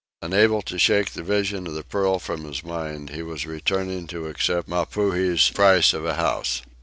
Unable to shake the vision of the pearl from his mind, he was returning to accept Mapuhi's price of a house.